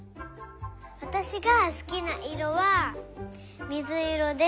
わたしがすきないろはみずいろです。